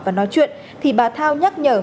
và nói chuyện thì bà thao nhắc nhở